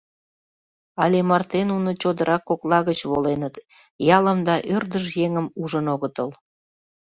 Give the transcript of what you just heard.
Але марте нуно чодыра кокла гыч воленыт, ялым да ӧрдыж еҥым ужын огытыл.